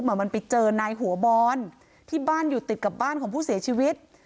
มันไปเจอนายหัวบอลที่บ้านอยู่ติดกับบ้านของผู้เสียชีวิต